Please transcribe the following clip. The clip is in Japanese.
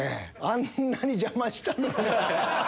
あんなに邪魔したのに。